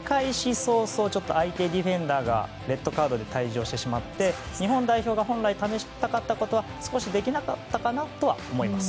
早々相手ディフェンダーがレッドカードで退場してしまって日本代表が試したかったことはできなかったかなと思います。